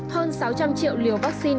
hơn sáu trăm linh triệu liều vaccine